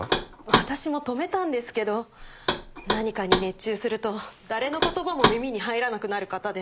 私も止めたんですけど何かに熱中すると誰の言葉も耳に入らなくなる方で。